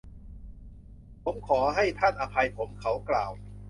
ผมขอให้ท่านอภัยผม เขากล่าว